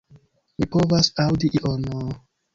Mi povas aŭdi ion...